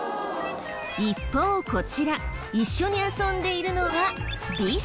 一方こちら一緒に遊んでいるのはリス。